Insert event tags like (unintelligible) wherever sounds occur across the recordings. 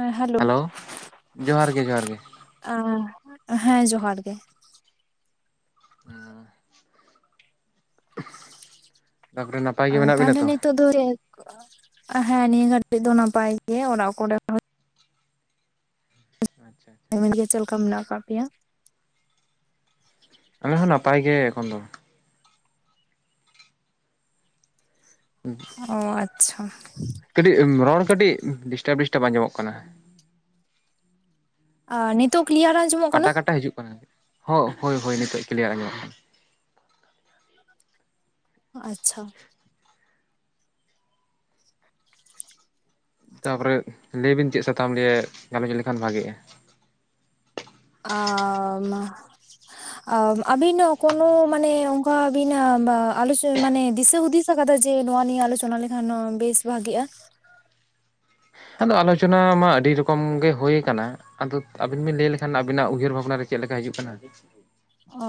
ᱮᱸ hello. Hello ᱡᱚᱦᱟᱨ ᱜᱮ ᱡᱚᱦᱟᱨ ᱜᱮ ᱦᱮᱸ ᱡᱚᱦᱟᱨ ᱜᱮ᱾ ᱦᱩᱸ᱾ ᱛᱟᱯᱚᱨᱮ ᱱᱟ ᱟᱨ ᱛᱟᱦᱞᱮ ᱱᱤᱛᱚᱜ ᱫᱚ ᱪᱮᱫ ᱠᱚ, ᱦᱮᱸ ᱱᱤᱭᱟᱹ ᱜᱷᱟᱲᱤᱡ ᱫᱚ ᱱᱟᱯᱟᱭ ᱜᱮ ᱚᱲᱟᱜ ᱠᱚᱨᱮ ᱟᱪᱪᱷᱟ᱾ (inaudible) ᱜᱮ ᱪᱮᱫ ᱞᱮᱠᱟ ᱢᱮᱱᱟᱜ ᱠᱟᱜ ᱯᱮᱭᱟ? ᱟᱞᱮ ᱦᱚᱸ ᱱᱟᱯᱟᱭ ᱜᱮ ᱮᱠᱷᱚᱱ ᱫᱚ᱾ ᱚᱻ ᱟᱪᱪᱷᱟ᱾ ᱠᱟᱹᱴᱤᱡ ᱨᱚᱲ ᱠᱟᱹᱴᱤᱡ ᱰᱤᱥᱴᱟᱯ ᱰᱤᱥᱴᱟᱯ ᱟᱸᱡᱚᱢᱚᱜ ᱠᱟᱱᱟ᱾ ᱟ ᱱᱤᱛᱚᱜ ᱠᱞᱤᱭᱟᱨ ᱟᱸᱡᱚᱢᱚᱜ ᱠᱟᱱᱟ ᱠᱟᱴᱟ ᱠᱟᱴᱟ ᱦᱤᱡᱩᱜ ᱠᱟᱱᱟ, (inaudible) ᱦᱳ ᱦᱳᱭ ᱦᱳᱭ ᱱᱤᱛᱚᱜ ᱠᱞᱤᱭᱟᱨ ᱟᱸᱡᱚᱢᱚᱜ ᱠᱟᱱᱟ᱾ ᱟᱪᱪᱷᱟ᱾ ᱛᱟᱯᱚᱨᱮ ᱞᱟᱹᱭ ᱵᱤᱱ ᱪᱮᱫ ᱥᱟᱛᱟᱢ ᱞᱤᱭᱮ ᱜᱟᱞᱚᱪ ᱞᱮᱠᱷᱟᱱ ᱵᱷᱟᱜᱤᱜᱼᱟ? ᱟᱻ ᱢᱟ, ᱟ ᱟᱹᱵᱤᱱ ᱦᱚᱸ ᱠᱳᱱᱳ ᱢᱟᱱᱮ ᱚᱝᱠᱟ ᱵᱤᱱ ᱵᱟ ᱟᱞᱚᱪ ᱢᱟᱱᱮ ᱫᱤᱥᱟᱹ ᱦᱩᱫᱤᱥ ᱟᱠᱟᱫᱟ ᱡᱮ ᱱᱚᱣᱟ ᱱᱤᱭᱟᱹ ᱟᱞᱳᱪᱚᱱᱟ ᱞᱮᱠᱷᱟᱱ ᱱᱚᱣᱟ ᱵᱮᱥ ᱵᱷᱟᱜᱤᱜᱼᱟ? ᱟᱫᱚ ᱟᱞᱳᱪᱚᱱᱟ ᱢᱟ ᱟᱰᱤ ᱨᱚᱠᱚᱢ ᱜᱮ ᱦᱳᱭ ᱟᱠᱟᱱᱟ, ᱟᱫᱚ ᱟᱵᱤᱱ ᱵᱤᱱ ᱞᱟᱹᱭ ᱞᱮᱠᱷᱟᱱ ᱟᱵᱤᱱᱟᱜ ᱩᱭᱦᱟᱹᱨ ᱵᱷᱟᱵᱱᱟ ᱨᱮ ᱪᱮᱫ ᱞᱮᱠᱟ ᱦᱤᱡᱩᱜ ᱠᱟᱱᱟ᱾ ᱟᱻ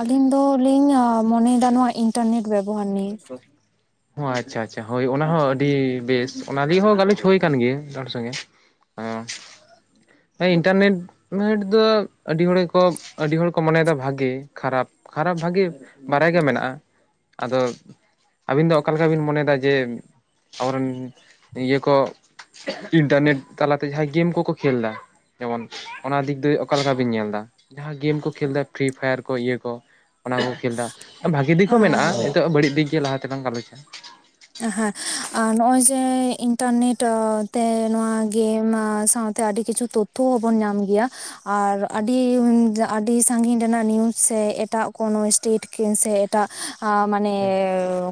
ᱟᱹᱞᱤᱧ ᱫᱚᱞᱤᱧ ᱢᱚᱱᱮᱭᱮᱫᱟ ᱱᱚᱣᱟ ᱤᱱᱴᱟᱨᱱᱮᱴ ᱵᱮᱵᱚᱦᱟᱨ ᱱᱤᱭᱮ᱾ (inaudible) ᱦᱚᱸ ᱟᱪᱪᱷᱟ ᱟᱪᱪᱷᱟ ᱦᱳᱭ ᱚᱱᱟ ᱦᱚᱸ ᱟᱹᱰᱤ ᱵᱮᱥ ᱚᱱᱟ ᱫᱤᱭᱮ ᱦᱚᱸ ᱜᱟᱞᱚᱪ ᱦᱩᱭ ᱠᱟᱱ ᱜᱮ, ᱮᱴᱟᱜ ᱦᱚᱲ ᱥᱚᱸᱜᱮ, ᱦᱮᱸ᱾ ᱦᱮᱸ ᱤᱱᱴᱟᱨᱱᱮᱴ, ᱱᱮᱴ ᱫᱚ ᱟᱹᱰᱤ ᱦᱚᱲ ᱜᱮᱠᱚ, ᱟᱰᱤ ᱦᱚᱲ ᱠᱚ ᱢᱚᱱᱮᱭᱮᱫᱟ ᱵᱷᱟᱜᱮ ᱠᱷᱟᱨᱟᱯ ᱠᱷᱟᱨᱟᱯ ᱵᱷᱟᱜᱮ ᱵᱟᱲᱟᱭ ᱜᱮ ᱢᱮᱱᱟᱜᱼᱟ, ᱟᱫᱚ ᱟᱵᱤᱱ ᱫᱚ ᱚᱠᱟ ᱞᱮᱠᱟ ᱵᱤᱱ ᱢᱚᱱᱮᱭᱮᱫᱟ ᱡᱮ ᱟᱵᱚ ᱨᱮᱱ ᱤᱭᱟᱹ ᱠᱚ ᱤᱱᱴᱟᱨᱱᱮᱴ ᱛᱟᱞᱟᱛᱮ ᱡᱟᱦᱟᱸᱭ ᱜᱮᱢ ᱠᱚᱠᱚ ᱠᱷᱮᱞᱫᱟ, ᱡᱮᱢᱚᱱ ᱚᱱᱟ ᱫᱤᱠ ᱫᱚ ᱚᱠᱟ ᱞᱮᱠᱟ ᱵᱤᱱ ᱧᱮᱞᱫᱟ ᱡᱟᱦᱟᱸ ᱜᱮᱢ ᱠᱚ ᱠᱷᱮᱞ ᱮᱫᱟ ᱯᱷᱨᱤ ᱯᱷᱟᱭᱟᱨ ᱠᱚ ᱤᱭᱟᱹ ᱠᱚ? ᱚᱱᱟ ᱠᱚ ᱠᱷᱮᱞᱫᱟ, ᱵᱷᱟᱜᱤ ᱫᱤᱠ ᱦᱚᱸ ᱟᱸ ᱢᱮᱱᱟᱜᱼᱟ ᱱᱤᱛᱚᱜ ᱵᱟᱹᱲᱤᱡ ᱫᱤᱠ ᱜᱮ ᱞᱟᱦᱟ ᱛᱮᱞᱟᱝ ᱜᱟᱞᱚᱪᱟ᱾ ᱦᱮᱸ, ᱟᱨ ᱱᱚᱜ-ᱚᱭ ᱡᱮ ᱤᱱᱴᱟᱨᱱᱮᱴ ᱛᱮ ᱱᱚᱣᱟ ᱜᱮᱢ ᱥᱟᱶᱛᱮ ᱟᱹᱰᱤ ᱠᱤᱪᱷᱩ ᱛᱚᱛᱛᱷᱚ ᱦᱚᱸ ᱵᱚᱱ ᱧᱟᱢ ᱜᱮᱭᱟ᱾ ᱟᱨ ᱟᱹᱰᱤ ᱟᱹᱰᱤ ᱥᱟᱺᱜᱤᱧ ᱨᱮᱱᱟᱜ ᱱᱤᱭᱩᱡ ᱥᱮ ᱮᱴᱟᱜ ᱠᱳᱱᱳ ᱥᱴᱮᱴ ᱠᱤᱱ ᱥᱮ ᱮᱴᱟᱜ ᱟᱸ ᱢᱟᱱᱮ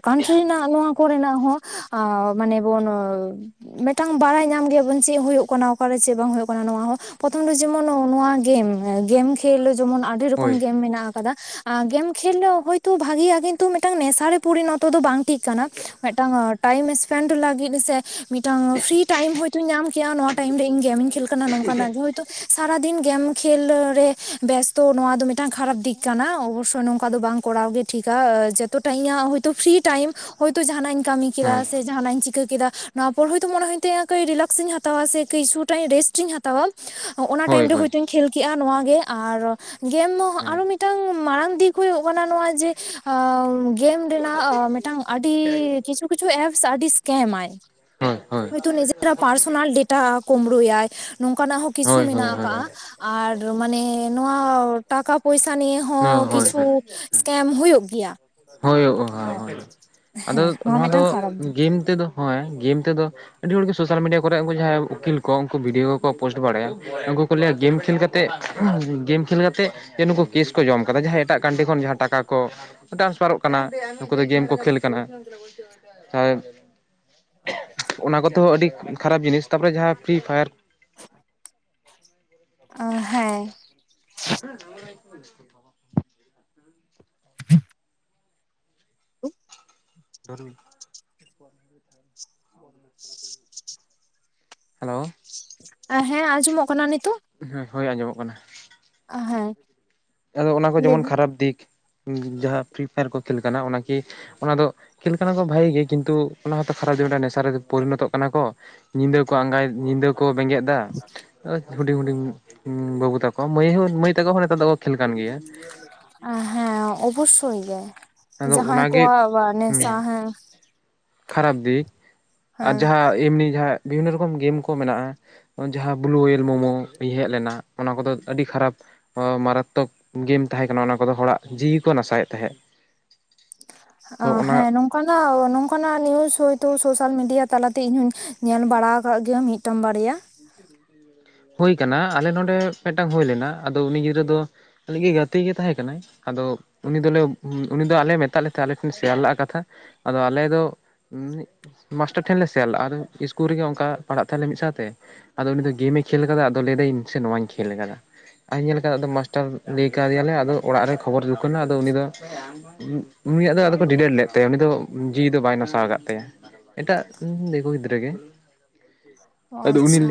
ᱠᱟᱱᱴᱨᱤ ᱨᱮᱱᱟᱜ ᱱᱚᱣᱟ ᱠᱚᱨᱮᱱᱟᱜ ᱦᱚᱸ, ᱟᱸ ᱢᱟᱱᱮ ᱵᱚᱱ-ᱼ ᱢᱤᱫᱴᱟᱝ ᱵᱟᱲᱟᱭ ᱧᱟᱢ ᱜᱮᱭᱟ ᱵᱚᱱ ᱪᱮᱫ ᱦᱩᱭᱩᱜ ᱠᱟᱱᱟ ᱚᱠᱟᱨᱮ ᱪᱮᱫ ᱵᱟᱝ ᱦᱩᱭᱩᱜ ᱠᱟᱱᱟ ᱱᱚᱣᱟ ᱦᱚᱸ, ᱯᱨᱚᱛᱷᱚᱢ ᱫᱚ ᱡᱮᱢᱚᱱ ᱱᱚᱣᱟ ᱜᱮᱢ, ᱜᱮᱢ ᱠᱷᱮᱞ ᱡᱮᱢᱚᱱ ᱟᱹᱰᱤ ᱦᱳᱭ ᱨᱚᱠᱚᱢ ᱜᱮᱢ ᱢᱮᱱᱟᱜ ᱠᱟᱫᱟ, ᱟ ᱜᱮᱢ ᱠᱷᱮᱞ ᱫᱚ ᱦᱚᱭᱛᱳ ᱵᱷᱟᱜᱮᱭᱟ ᱠᱤᱱᱛᱩ ᱢᱤᱫᱴᱟᱝ ᱱᱮᱥᱟ ᱨᱮ ᱯᱚᱨᱤᱱᱚᱛᱚ ᱫᱚ ᱵᱟᱝ ᱴᱷᱤᱠ ᱠᱟᱱᱟ ᱢᱤᱫᱴᱟᱝ ᱴᱟᱭᱤᱢ ᱥᱯᱮᱱᱰ ᱞᱟᱜᱤᱫ ᱦᱮᱸ ᱥᱮ ᱢᱤᱫᱴᱟᱝ ᱯᱷᱨᱤ ᱴᱟᱭᱤᱢ ᱦᱚᱭᱛᱳᱧ ᱧᱟᱢ ᱠᱮᱭᱟ ᱱᱚᱣᱟ ᱴᱟᱭᱤᱢ ᱨᱮ ᱤᱧ ᱜᱮᱢᱤᱧ ᱠᱷᱮᱞ ᱠᱟᱱᱟ ᱱᱚᱝᱠᱟᱱᱟᱜ ᱜᱮ ᱦᱚᱣ ᱛᱚ ᱥᱟᱨᱟ ᱫᱤᱱ ᱜᱮᱢ ᱠᱷᱮᱞ ᱨᱮ ᱵᱮᱥᱛᱚ ᱱᱚᱣᱟ ᱫᱚ ᱢᱤᱫᱴᱟᱝ ᱠᱷᱟᱨᱟᱯ ᱫᱤᱠ ᱠᱟᱱᱟ ᱚᱵᱚᱥᱥᱳᱭ ᱱᱚᱝᱠᱟ ᱫᱚ ᱵᱟᱝ ᱠᱚᱨᱟᱣ ᱜᱮ-ᱼ ᱴᱷᱤᱠᱟ, ᱡᱚᱛᱚᱴᱟ ᱤᱧᱟᱹᱜ ᱦᱚᱭᱛᱳ ᱯᱷᱨᱤ ᱴᱟᱭᱤᱢ ᱦᱚᱭᱛᱳ ᱡᱟᱦᱟᱸᱱᱟᱜ ᱤᱧ ᱠᱟᱢᱤ ᱦᱳᱭ ᱠᱮᱫᱟ ᱥᱮ ᱡᱟᱦᱟᱸᱱᱟᱜ ᱤᱧ ᱪᱤ ᱠᱮᱫᱟ ᱱᱚᱣᱟ ᱯᱚᱨ ᱦᱚᱭᱛᱳ ᱢᱚᱱᱮ ᱦᱩᱭᱩᱜ ᱛᱤᱧᱟᱹ, ᱠᱟᱹᱡ ᱨᱤᱞᱟᱠᱥᱤᱧ ᱦᱟᱛᱟᱣᱟ ᱥᱮ ᱠᱤᱪᱷᱩ ᱴᱟ ᱨᱮᱥᱴᱤᱧ ᱦᱟᱛᱟᱣᱟ ᱾ ᱚᱱᱟ ᱦᱳᱭ ᱴᱟᱭᱤᱢ ᱨᱮ ᱦᱳᱭ ᱦᱚᱭᱛᱳᱧ ᱠᱷᱮᱞ ᱠᱮᱜᱼᱟ ᱱᱚᱣᱟ ᱜᱮ, ᱟᱨ ᱜᱮᱢ ᱦᱳᱭ ᱟᱨᱚ ᱢᱤᱫᱴᱟᱝ ᱢᱟᱲᱟᱝ ᱫᱤᱠ ᱦᱩᱭᱩᱜ ᱠᱟᱱᱟ ᱱᱚᱣᱟ ᱡᱮ, ᱜᱮᱢ ᱨᱮᱱᱟᱜ ᱢᱤᱫᱴᱟᱝ ᱟᱹᱰᱤ (inaudible) ᱠᱤᱪᱷᱩ ᱠᱤᱪᱷᱩ ᱮᱯᱥ ᱟᱹᱰᱤ ᱥᱠᱮᱢ ᱟᱭ᱾ ᱦᱳᱭ ᱦᱳᱭ ᱦᱚᱭ ᱛᱚ ᱱᱤᱡᱮᱨᱟᱜ ᱯᱟᱨᱥᱳᱱᱟᱞ ᱰᱮᱴᱟ ᱠᱩᱢᱲᱩᱭᱟᱭ, ᱱᱚᱝᱠᱟᱱᱟᱜ ᱦᱚᱸ ᱠᱤᱪᱷᱩ ᱦᱳᱭ ᱦᱳᱭ ᱦᱳᱭ ᱢᱮᱱᱟᱜ ᱟᱠᱟᱜᱼᱟ ᱦᱳᱭ ᱾ᱟᱨ ᱢᱟᱱᱮ ᱱᱚᱣᱟ ᱴᱟᱠᱟ ᱯᱚᱭᱥᱟ ᱱᱤᱭᱮ ᱦᱚᱸ ᱦᱳᱭ ᱦᱳᱭ ᱠᱤᱪᱷᱩ ᱦᱳᱭ ᱥᱠᱮᱢ ᱦᱩᱭᱩᱜ ᱜᱮᱭᱟ ᱾ ᱦᱳᱭᱳᱜᱼᱟ ᱦᱳᱭ ᱦᱳᱭ ᱟᱫᱚ ᱱᱚᱣᱟ ᱫᱚ ᱜᱮᱢ ᱛᱮᱫᱚ ᱦᱚᱸᱭ ᱜᱮᱢ ᱛᱮᱫᱚ ᱟᱹᱰᱤ ᱦᱚᱲᱜᱮ ᱥᱳᱥᱟᱞ ᱢᱤᱰᱤᱭᱟ ᱠᱚᱨᱮ, ᱩᱱᱠᱩ ᱡᱟᱦᱟᱸᱭ ᱩᱠᱤᱞ ᱠᱚ ᱩᱱᱠᱩ ᱵᱷᱤᱰᱭᱳ ᱠᱚ ᱯᱳᱥᱴ ᱵᱟᱲᱟᱭᱟ ᱾ ᱩᱱᱠᱩ ᱠᱚ ᱞᱟᱹᱭᱟ ᱜᱮᱢ ᱠᱷᱮᱞ ᱠᱟᱛᱮᱫ, ᱜᱮᱢ ᱠᱷᱮᱞ ᱠᱟᱛᱮ ᱡᱮ ᱱᱩᱠᱩ ᱠᱮᱥ ᱡᱚᱢ ᱠᱟᱫᱟ, ᱡᱟᱦᱟᱸᱣ ᱮᱴᱟᱜ ᱠᱟᱱᱴᱤ ᱠᱷᱚᱱ ᱡᱟᱦᱟᱸ ᱴᱟᱠᱟ ᱠᱚ ᱴᱨᱟᱱᱥᱯᱷᱟᱨᱚᱜ ᱠᱟᱱᱟ, ᱱᱩᱠᱩ ᱫᱚ ᱜᱮᱢ ᱠᱚ ᱠᱷᱮᱞ ᱠᱟᱱᱟ ᱾ ᱟᱨ ᱚᱱᱟ ᱠᱚᱛᱚ ᱟᱹᱰᱤ ᱠᱷᱟᱨᱟᱯ ᱡᱤᱱᱤᱥ, ᱛᱟᱯᱚᱨᱮ ᱡᱟᱦᱟᱸ ᱯᱷᱨᱤ ᱯᱷᱟᱭᱟᱨ ᱚ, ᱦᱮᱸ ᱾ (unintelligible) (inaudible) (unintelligible) (unintelligible) (unintelligible) (unintelligible) ᱦᱮᱞᱳ᱾ ᱦᱮᱸ ᱟᱸᱡᱚᱢᱚᱜ ᱠᱟᱱᱟ ᱱᱤᱛᱚᱜ ᱾ ᱦᱚᱸ, ᱦᱳᱭ ᱟᱸᱡᱚᱢᱚᱜ ᱠᱟᱱᱟ᱾ ᱟ, ᱦᱮᱸ᱾ ᱟᱫᱚ ᱚᱱᱟ ᱠᱚ ᱡᱮᱢᱚᱱ ᱞᱟᱹᱭᱵᱤᱱ ᱠᱷᱟᱨᱟᱯ ᱫᱤᱠ, ᱡᱟᱦᱟᱸ ᱯᱷᱨᱤ ᱯᱷᱟᱭᱟᱨ ᱠᱚ ᱠᱷᱮᱞ ᱠᱟᱱᱟ ᱾ ᱚᱱᱟᱠᱤ ᱚᱱᱟ ᱫᱚ ᱠᱷᱮᱞ ᱠᱟᱱᱟ ᱠᱚ ᱵᱷᱟᱜᱮ ᱜᱮ, ᱠᱤᱱᱛᱩ ᱚᱱᱟ ᱦᱚᱸᱛᱚ ᱠᱷᱟᱨᱟᱯ ᱡᱮ ᱱᱮᱥᱟ ᱨᱮ ᱯᱚᱨᱤᱱᱚᱛᱚᱜ ᱠᱟᱱᱟ ᱠᱚ᱾ ᱧᱤᱫᱟᱹ ᱠᱚ ᱟᱸᱜᱟᱭ ᱧᱤᱫᱟᱹ ᱠᱚ ᱵᱮᱸᱜᱮᱫ ᱮᱫᱟ, ᱦᱩᱰᱤᱧ ᱦᱩᱰᱤᱧ ᱵᱟᱹᱵᱩ ᱛᱟᱠᱚ ᱾ ᱢᱟᱹᱭ ᱢᱟᱹᱭ ᱛᱟᱠᱚ ᱦᱚᱸ ᱱᱮᱛᱟᱨ ᱫᱚᱠᱚ ᱠᱷᱮᱞᱮ ᱠᱟᱱ ᱜᱮᱭᱟ ᱾ ᱦᱮᱸ ᱚᱵᱚᱥᱥᱳᱭ ᱜᱮ, ᱟᱫᱚ ᱡᱟᱦᱟᱸᱭ ᱚᱱᱟᱜᱮ ᱠᱚᱣᱟᱜ ᱱᱮᱥᱟ ᱦᱮᱸ᱾ ᱠᱷᱟᱨᱟᱯ ᱫᱤᱠ, ᱟᱨ ᱦᱮᱸ ᱡᱟᱦᱟᱸ ᱮᱢᱱᱤ ᱡᱟᱦᱟᱸ ᱵᱤᱵᱷᱤᱱᱱᱚ ᱨᱚᱠᱚᱢ ᱜᱮᱢ ᱠᱚ ᱢᱮᱱᱟᱜᱼᱟ᱾ ᱡᱟᱦᱟᱸ ᱵᱞᱩ ᱳᱭᱮᱞ ᱢᱳᱢᱳ ᱦᱮᱡ ᱞᱮᱱᱟ, ᱚᱱᱟ ᱠᱚᱫᱚ ᱟᱹᱰᱤ ᱠᱷᱟᱨᱟᱯ᱾ ᱢᱟᱨᱟᱛᱛᱚᱠ ᱜᱮᱢ ᱛᱟᱦᱮᱸ ᱠᱟᱱᱟ ᱚᱱᱟ ᱠᱚᱫᱚ᱾ ᱦᱚᱲᱟᱜ ᱡᱤᱣᱤ ᱠᱚ ᱱᱟᱥᱟᱭᱮᱫ ᱛᱟᱦᱮᱸᱫ᱾ ᱚᱱᱟ ᱦᱮᱸ ᱱᱚᱝᱠᱟᱱᱟᱜ ᱱᱚᱝᱠᱟᱱᱟᱜ ᱱᱤᱭᱩᱪ ᱦᱚᱭᱛᱳ ᱥᱳᱥᱟᱞ ᱢᱤᱰᱤᱭᱟ ᱛᱟᱞᱟᱛᱮ ᱤᱧ ᱦᱚᱸᱧ ᱧᱮᱞ ᱵᱟᱲᱟ ᱟᱠᱟᱫ ᱜᱮᱭᱟ, ᱢᱤᱫᱴᱟᱝ ᱵᱟᱨᱭᱟ᱾ ᱦᱳ ᱟᱠᱟᱱᱟ᱾ ᱟᱞᱮ ᱱᱚᱰᱮ ᱢᱤᱫᱴᱟᱝ ᱦᱩᱭ ᱞᱮᱱᱟ ᱟᱫᱚ ᱩᱱᱤ ᱜᱤᱫᱽᱨᱟᱹ ᱫᱚ ᱟ ᱜᱮ ᱜᱟᱛᱮ ᱜᱮᱭ ᱛᱟᱦᱮᱸ ᱠᱟᱱᱟᱭ᱾ ᱟᱫᱚ ᱩᱱᱤ ᱫᱚᱞᱮ ᱩᱱᱤ ᱫᱚ ᱟᱞᱮ ᱢᱮᱛᱟᱫ ᱞᱮ ᱛᱟᱦᱮᱸ ᱟᱞᱮ ᱴᱷᱮᱱ ᱥᱮᱭᱟᱨ ᱞᱮᱫᱟ ᱠᱟᱛᱷᱟ ᱾ᱟᱫᱚ ᱟᱞᱮ ᱫᱚ ᱦᱩᱸ᱾ ᱢᱟᱥᱴᱟᱨ ᱴᱷᱮᱱᱞᱮ ᱥᱮᱱᱞᱟᱜ, ᱟᱨᱮ ᱤᱥᱠᱩᱞ ᱨᱮᱜᱮ ᱚᱱᱠᱟ ᱯᱟᱲᱦᱟᱜ ᱛᱟᱦᱞᱮ ᱢᱤᱫ ᱥᱟᱶᱛᱮ ᱟᱫᱚ ᱩᱱᱤ ᱫᱚ ᱜᱮᱢᱮ ᱠᱷᱮᱞ ᱟᱠᱟᱫᱟ ᱟᱫᱚ ᱞᱟᱹᱭᱫᱟᱹᱧ ᱤᱧ ᱥᱮ ᱱᱚᱣᱟᱧ ᱠᱷᱮᱞ ᱟᱠᱟᱫᱟ᱾ ᱟᱧ ᱧᱮᱞ ᱟᱠᱟ ᱟᱫᱚ ᱢᱟᱥᱴᱟᱨ ᱞᱟᱹᱭ ᱠᱟᱣᱫᱮᱭᱟᱞᱮ, ᱟᱫᱚ ᱚᱲᱟᱜ ᱨᱮ ᱠᱷᱚᱵᱚᱨ ᱦᱩᱠᱟᱱᱟ ᱟᱫᱚ ᱩᱱᱤ ᱫᱚ ᱩᱱᱤᱭᱟᱜ ᱫᱚ ᱟᱫᱚ ᱠᱚ ᱰᱤᱞᱮᱴ ᱞᱮᱫ ᱛᱟᱭᱟ᱾ ᱩᱱᱤ ᱫᱚ ᱡᱤᱣᱤ ᱫᱚ ᱵᱟᱭ ᱱᱟᱥᱟᱣ ᱟᱠᱟᱫ ᱛᱟᱭᱟ᱾ ᱮᱴᱟᱜ ᱫᱤᱠᱩ ᱜᱤᱫᱽᱨᱟᱹ ᱜᱮ᱾ ᱚ, ᱟᱫᱚ ᱩᱱᱤ ᱟᱪᱪᱷᱟ᱾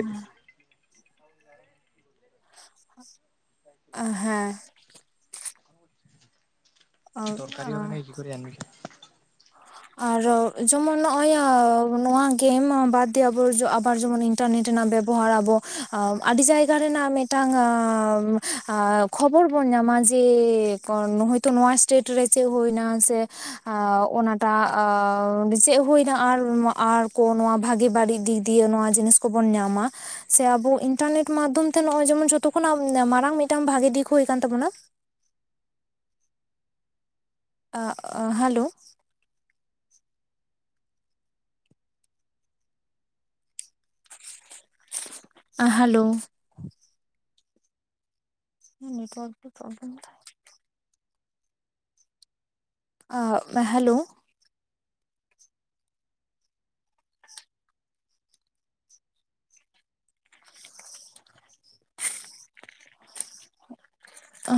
ᱦᱮᱸ᱾ ᱛᱚᱨᱠᱟᱨᱤ ᱦᱚᱸ ᱢᱮᱱᱟᱭ ᱜᱤ ᱠᱩᱨᱤ ᱟᱱᱤ ᱟᱨᱚ ᱡᱮᱢᱚᱱ ᱱᱚᱜᱼᱚᱭ ᱱᱚᱣᱟ ᱜᱮᱢ ᱟᱵᱟᱫᱽ ᱫᱮ ᱟᱵᱡᱚᱜ ᱟᱵᱟᱨ ᱡᱮᱢᱚᱱᱤᱧ ᱴᱟ ᱱᱮᱴ ᱨᱮᱱᱟᱜ ᱵᱮᱵᱚᱦᱟᱨ ᱟᱵᱚ ᱟᱹᱰᱤ ᱡᱟᱭᱜᱟ ᱨᱮᱱᱟᱜ ᱢᱤᱫᱴᱟᱝ ᱠᱷᱚᱵᱚᱨ ᱵᱚᱱ ᱧᱟᱢᱟ ᱡᱮ ᱦᱚᱭᱛᱚ ᱱᱚᱣᱟ ᱥᱴᱮᱴ ᱨᱮ ᱪᱮᱫ ᱦᱩᱭᱱᱟ ᱥᱮ ᱚᱱᱟᱴᱟᱜ ᱟᱣ ᱪᱮᱫ ᱦᱩᱭᱱᱟ ᱟᱨ ᱟᱨ ᱠᱚ ᱱᱚᱣᱟ ᱵᱷᱟᱜᱮ ᱵᱟᱹᱲᱤᱡ ᱫᱤᱠ ᱫᱤᱭᱮ ᱱᱚᱣᱟ ᱡᱤᱱᱤᱥ ᱠᱚ ᱠᱚᱵᱚᱱ ᱧᱟᱢᱟ᱾ ᱥᱮ ᱟᱵᱚ ᱤᱱᱟᱨᱱᱮᱴ ᱢᱟᱫᱽᱫᱷᱚᱢᱛᱮ ᱱᱚᱜᱚᱭ ᱡᱮᱢᱚᱱ ᱡᱷᱚᱛᱚ ᱠᱷᱚᱱᱟᱜ ᱢᱟᱨᱟᱝ ᱢᱤᱫᱴᱟᱝ ᱵᱷᱟᱜᱮ ᱫᱤᱠ ᱦᱩᱭ ᱠᱟᱱ ᱛᱟᱵᱚᱱᱟ᱾ ᱟ ᱦᱟᱞᱳ ᱦᱟᱞᱳ ᱱᱮᱴᱣᱟᱨᱠ ᱜᱮ ᱯᱨᱚᱵᱚᱞᱮᱢ ᱫᱟᱭ ᱟ ᱦᱟᱞᱳ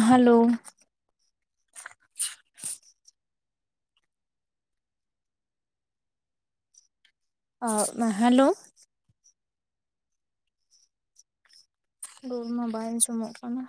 ᱦᱟᱞᱳ (inaudible) ᱟ ᱮ ᱦᱟᱞᱳ (unintelligible) ᱜᱩ ᱢᱟ ᱵᱟᱭ ᱟᱸᱡᱚᱢᱚᱜ ᱠᱟᱱᱟ᱾